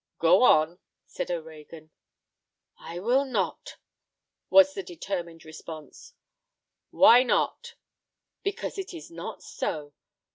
"Go on," said O'Reagan. "I will not," was the determined response. "Why not?" "Because it is not so.